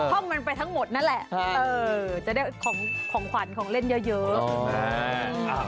ห้องมันไปทั้งหมดนั่นแหละจะได้ของขวัญของเล่นเยอะ